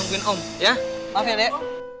pacar ya ya oke deh